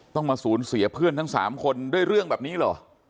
ต้องมาสูญเสียเพื่อนทั้ง๓คนด้วยเรื่องแบบนี้เหรอ